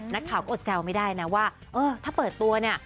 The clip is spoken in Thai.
นักข่าวก็อดแซวไม่ได้นะว่าเออถ้าเปิดตัวเนี่ย